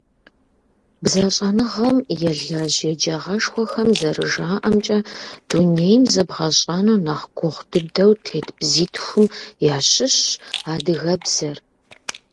БзэщӀэныгъэм елэжь еджагъэшхуэхэм зэрыжаӀэмкӀэ, дунейм зэбгъэщӀэну нэхъ гугъу дыдэу тет бзитхум ящыщщ адыгэбзэр.